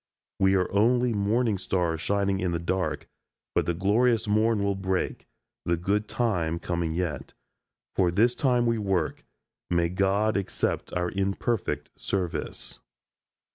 We are only morning stars shining in the dark, but the glorious morn will break, the good time coming yet. For this time we work; may God accept our imperfect service."